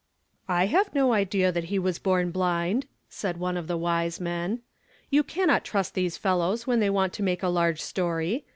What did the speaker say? " I have no idea that he was born blind," said one of the wise men. " You cannot trust these fellows when they want to make a large story.